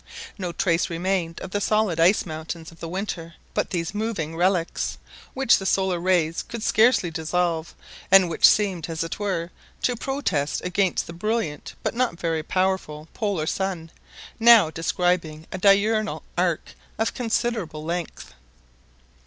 No trace remained of the solid ice mountains of the winter but these moving relies, which the solar rays could scarcely dissolve, and which seemed, as it were, to protest against the brilliant but not very powerful Polar sun, now describing a diurnal arc of considerable length.